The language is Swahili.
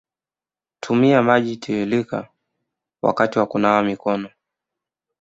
tumia maji tiririka wakati wa kunawa mikono